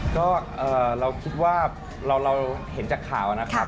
ก็เราคิดว่าเราเห็นจากข่าวนะครับ